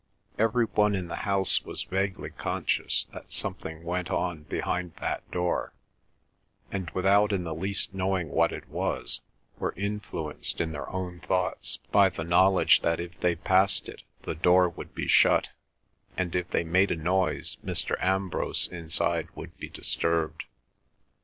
Every one in the house was vaguely conscious that something went on behind that door, and without in the least knowing what it was, were influenced in their own thoughts by the knowledge that if the passed it the door would be shut, and if they made a noise Mr. Ambrose inside would be disturbed.